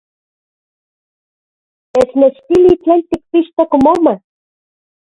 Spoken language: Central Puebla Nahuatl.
¡Technechtili tlen tikpixtok moma!